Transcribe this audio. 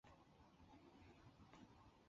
诺维萨是一个重要的大学城。